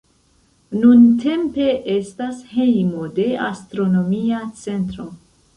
Nuntempe estas hejmo de astronomia centro.